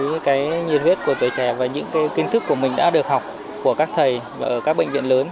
những cái nhiệt huyết của tuổi trẻ và những kiến thức của mình đã được học của các thầy ở các bệnh viện lớn